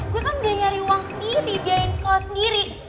gue kan udah nyari uang sendiri biarin sekolah sendiri